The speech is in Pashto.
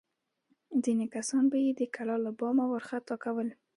ځینې کسان به یې د کلا له بامه راخطا کول.